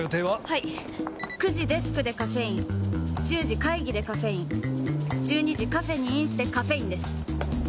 はい９時デスクでカフェイン１０時会議でカフェイン１２時カフェにインしてカフェインです！